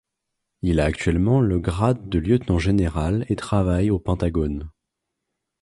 Il a actuellement le grade de lieutenant-général et travaille au Pentagone.